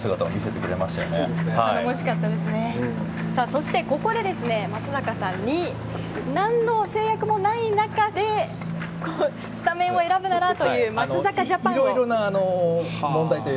そして、ここで松坂さんに何の制約もない中でスタメンを選ぶならという松坂ジャパンを。